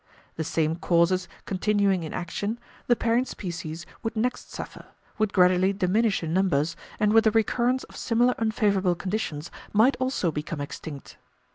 The same causes continuing in action, the parent species would next suffer, would gradually diminish in numbers, and with a recurrence of similar unfavourable conditions might also become extinct.